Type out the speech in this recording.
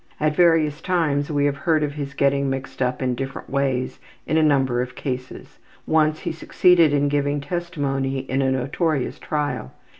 At various times we have heard of his getting mixed up in different ways in a number of cases. Once he succeeded in giving testimony in a notorious trial.